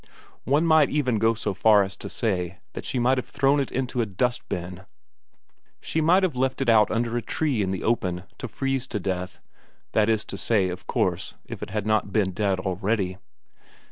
One might even go so far as to say that she might have thrown it into a dustbin. She might have left it out under a tree in the open, to freeze to death that is to say, of course, if it had not been dead already.